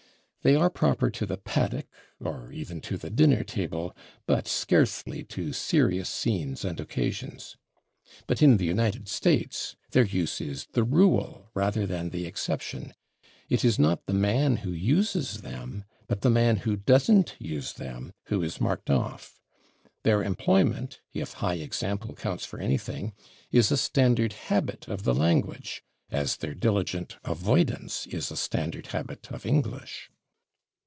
They are proper to the paddock or even to the dinner table, but scarcely to serious scenes and occasions. But in the United States their use is the rule rather than the exception; it is not the man who uses them, but the man who doesn't use them, who is marked off. Their employment, if high example counts for anything, is a standard habit of the language, as their diligent avoidance is a standard habit of English.